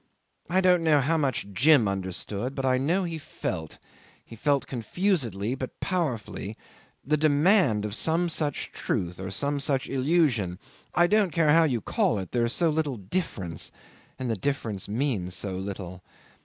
I don't know how much Jim understood; but I know he felt, he felt confusedly but powerfully, the demand of some such truth or some such illusion I don't care how you call it, there is so little difference, and the difference means so little.